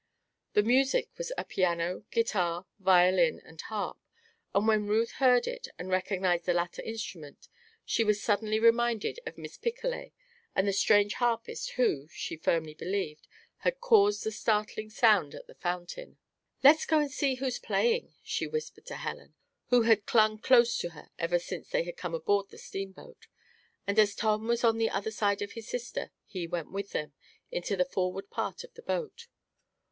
The music was a piano, guitar, violin, and harp, and when Ruth heard it and recognized the latter instrument she was suddenly reminded of Miss Picolet and the strange harpist who (she firmly believed) had caused the startling sound at the fountain. "Let's go and see who's playing," she whispered to Helen, who had clung close to her ever since they had come aboard the steamboat. And as Tom was on the other side of his sister, he went with them into the forward part of the boat.